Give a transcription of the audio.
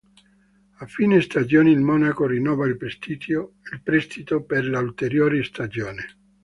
A fine stagione, il Monaco rinnova il prestito per un'ulteriore stagione.